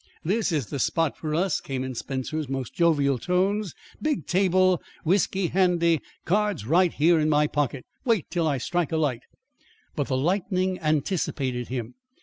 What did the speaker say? "This is the spot for us," came in Spencer's most jovial tones. "Big table, whisky handy, cards right here in my pocket. Wait, till I strike a light!" But the lightning anticipated him.